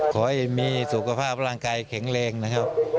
ขอให้มีสุขภาพรางกายเผ็ด